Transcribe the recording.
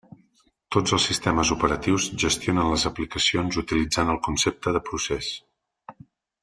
Tots els sistemes operatius gestionen les aplicacions utilitzant el concepte de procés.